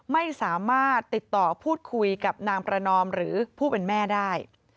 ไม่สามารถติดต่อพูดคุยกับนางประนอมหรือผู้เป็นแม่ได้